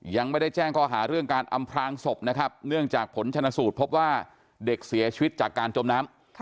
ยังไม่ได้แจ้งข้อหาเรื่องการอำพลางศพนะครับเนื่องจากผลชนสูตรพบว่าเด็กเสียชีวิตจากการจมน้ำ